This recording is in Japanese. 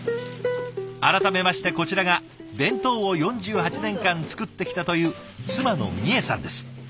改めましてこちらが弁当を４８年間作ってきたという妻のみえさんです。